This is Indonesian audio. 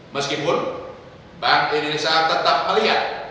meskipun bank indonesia tetap melihat